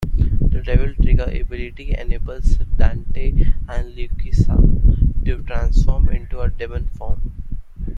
The Devil Trigger ability enables Dante and Lucia to transform into a demon form.